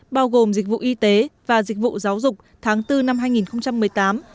bao gồm dịch vụ y tế và dịch vụ giáo dục tháng bốn năm hai nghìn một mươi tám